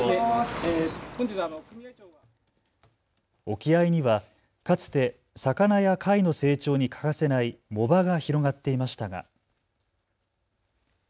沖合にはかつて魚や貝の成長に欠かせない藻場が広がっていましたが。